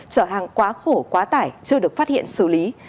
chở hàng quá khổ quá tải chưa được phát hiện xử lý